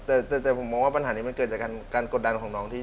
แต่ผมมองว่าปัญหานี้มันเกิดจากการกดดันของน้องที่